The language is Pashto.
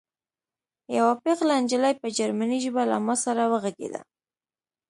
یوه پېغله نجلۍ په جرمني ژبه له ما سره وغږېده